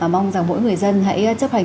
mong rằng mỗi người dân hãy chấp hành